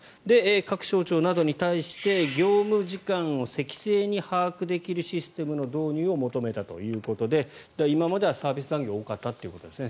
各省庁などに対して業務時間を適正に把握できるシステムの導入を求めたということで今まではサービス残業が多かったということですね。